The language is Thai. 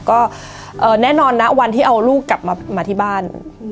ก็แน่นอนนะวันที่เอาลูกกลับมาที่บ้าน